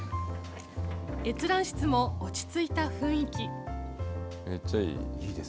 閲覧室も落ち着いた雰囲気。